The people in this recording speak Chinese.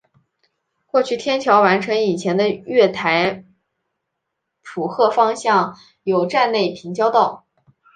过去天桥完成以前的月台浦贺方向有站内平交道。